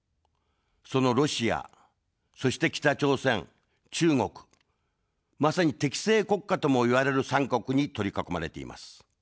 そのロシア、そして北朝鮮、中国、まさに敵性国家とも言われる３か国に取り囲まれています。